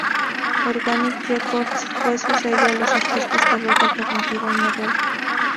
Organic Records fue su sello a los artistas de rock alternativo y moderno.